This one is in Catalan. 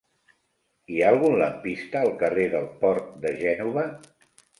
Hi ha algun lampista al carrer del Port de Gènova?